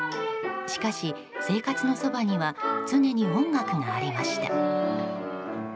しかし、生活のそばには常に音楽がありました。